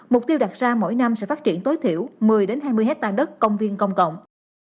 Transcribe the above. mục tiêu đặt ra mỗi năm sẽ phát triển tối thiểu một mươi hai mươi hectare đất công viên công cộng